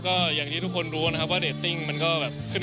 ก็อย่างที่ทุกคนรู้นะครับว่าเรตติ้งมันก็แบบขึ้น